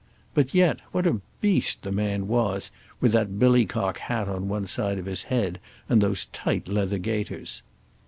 But, yet, what "a beast" the man was, with that billicock hat on one side of his head, and those tight leather gaiters!